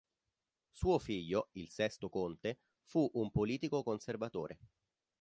Suo figlio, il sesto conte, fu un politico conservatore.